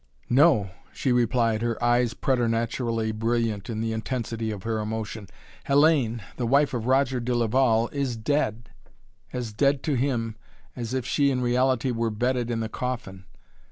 "No!" she replied, her eyes preternaturally brilliant in the intensity of her emotion. "Hellayne, the wife of Roger de Laval, is dead as dead to him, as if she in reality were bedded in the coffin.